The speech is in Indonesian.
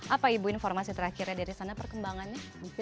apa ibu informasi terakhirnya dari sana perkembangannya